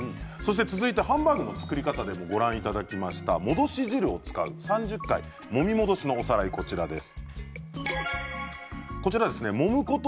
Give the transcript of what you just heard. ハンバーグの作り方でご覧いただいた戻し汁を使う３０回もみ戻しのおさらいです。